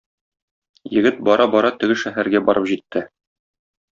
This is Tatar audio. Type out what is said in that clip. Егет бара-бара теге шәһәргә барып җитте.